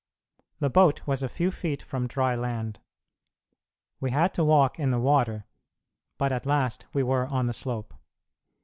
The boat was a few feet from dry land; we had to walk in the water, but at last we were on the slope.